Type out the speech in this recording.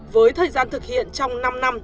với thời gian thực hiện trong năm năm